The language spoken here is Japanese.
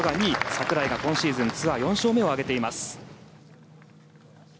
櫻井が今シーズンツアー４勝目を挙げています。